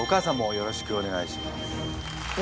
よろしくお願いします。